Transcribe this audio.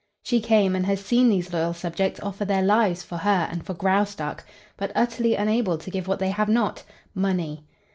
She came, and has seen these loyal subjects offer their lives for her and for Graustark, but utterly unable to give what they have not money.